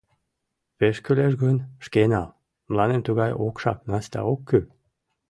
Пеш кӱлеш гын, шке нал, мыланем тугай окшак наста ок кӱл.